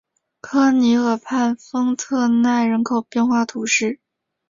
科尼河畔丰特奈人口变化图示